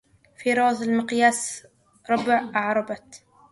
في روضة المقياس ربع أعربت